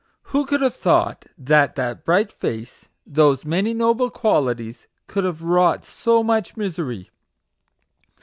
Who could have thought that that bright face, those many noble qualities, could have wrought so much misery